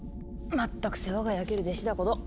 まったく世話が焼ける弟子だこと。